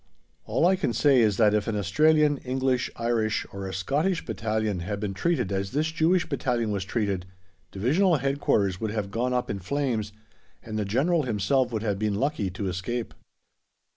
All I can say is that if an Australian, English, Irish, or a Scottish battalion had been treated as this Jewish battalion was treated, Divisional Headquarters would have gone up in flames and the General himself would have been lucky to escape.